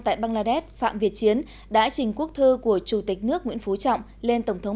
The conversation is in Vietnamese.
tại bangladesh phạm việt chiến đã trình quốc thư của chủ tịch nước nguyễn phú trọng lên tổng thống